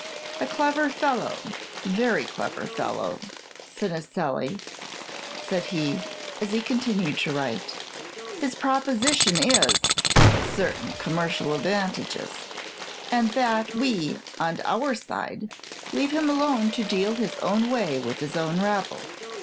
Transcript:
"A clever fellow, very clever fellow, Cineselli," said he, as he continued to write. "His proposition is certain commercial advantages, and that we, on our side, leave him alone to deal his own way with his own rabble.